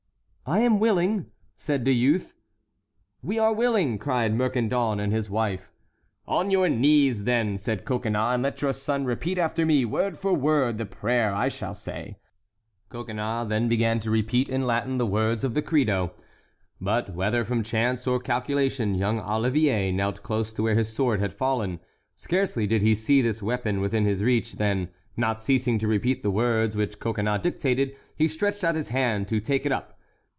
"I am willing," said the youth. "We are willing!" cried Mercandon and his wife. "On your knees, then," said Coconnas, "and let your son repeat after me, word for word, the prayer I shall say." The father obeyed first. "I am ready," said the son, also kneeling. Coconnas then began to repeat in Latin the words of the Credo. But whether from chance or calculation, young Olivier knelt close to where his sword had fallen. Scarcely did he see this weapon within his reach than, not ceasing to repeat the words which Coconnas dictated, he stretched out his hand to take it up.